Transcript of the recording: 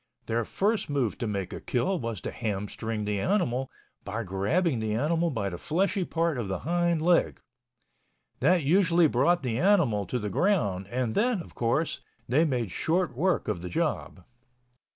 Their first move to make a kill was to ham string the animal by grabbing the animal by the fleshy part of the hind leg. That usually brought the animal to the ground and then, of course, they made short work of the job.